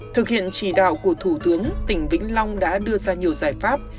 thực hiện chỉ đạo của thủ tướng tỉnh vĩnh long đã đưa ra nhiều giải pháp